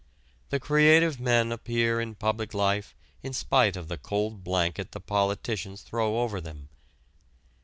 The creative men appear in public life in spite of the cold blanket the politicians throw over them.